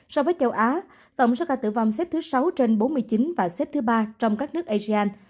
so với châu á tổng so với cả tử vong xếp thứ sáu trên bốn mươi chín và xếp thứ ba trong các nước asean